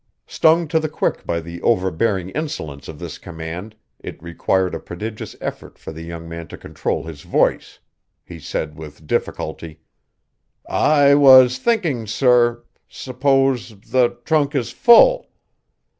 Stung to the quick by the overbearing insolence of this command, it required a prodigious effort for the young man to control his voice. He said with difficulty: "I was thinking, sorr suppose the trunk is full?"